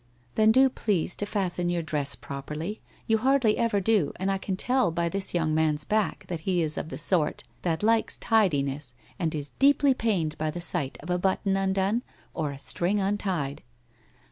' Then do please to fasten your dress properly. You hardly ever do, and I can tell by this young man's back that he is of the sort that likes tidiness and is deeply pained by the sight of a button undone or a string untied.'